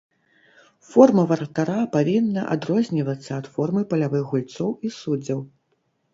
Форма варатара павінна адрознівацца ад формы палявых гульцоў і суддзяў.